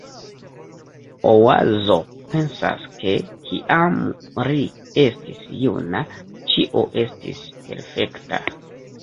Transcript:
Oazo pensas, ke kiam ri estis juna, ĉio estis perfekta.